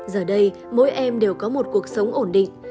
giờ đây mỗi em đều có một cuộc sống ổn định